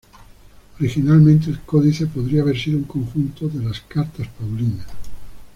Originalmente el códice podría haber sido un conjunto de las Cartas paulinas.